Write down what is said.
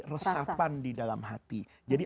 resapan di dalam hati jadi